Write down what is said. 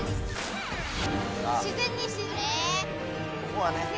ここはね。